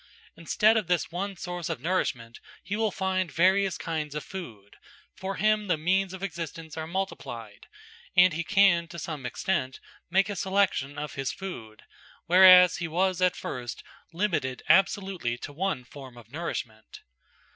Instead of this one source of nourishment he will find various kinds of food; for him the means of existence are multiplied, and he can to some extent make a selection of his food, whereas he was at first limited absolutely to one form of nourishment.